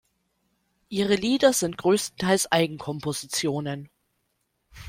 Ihre Lieder sind größtenteils Eigenkompositionen.